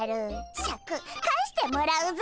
シャク返してもらうぞ！